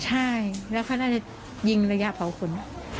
ใช่แล้วเขาน่าจะยิงระยะเผาขน